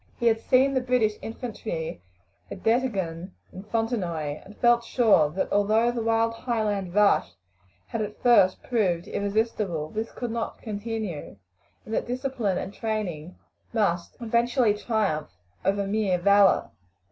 He had seen the British infantry at Dettingen and Fontenoy, and felt sure that although the wild Highland rush had at first proved irresistible, this could nor continue, and that discipline and training must eventually triumph over mere valour.